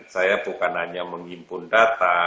saya bukan hanya menghimpun data